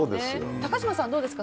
高嶋さんはどうですか？